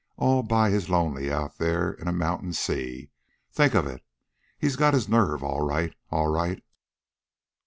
All by his lonely out there in a mountain sea, think of it! He's got his nerve all right, all right."